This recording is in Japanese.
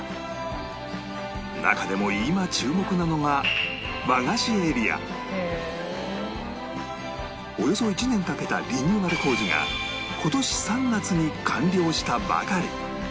中でも今注目なのがおよそ１年かけたリニューアル工事が今年３月に完了したばかり